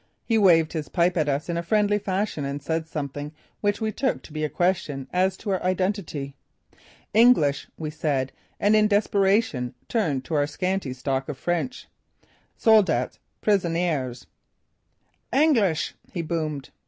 He waved his pipe at us in friendly fashion and said something which we took to be a question as to our identity. "English," we said, and in desperation turned to our scanty stock of French: "Soldats; prisoniers." "Engelsch!" he boomed.